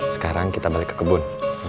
sekarang kita balik ke kebun